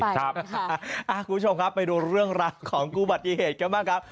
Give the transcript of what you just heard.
คุณผู้ชมครับไปดูเรื่องรักของอุบัติเหตุกันบ้างครับ